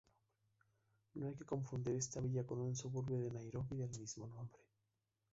No hay que confundir esta villa con un suburbio de Nairobi del mismo nombre.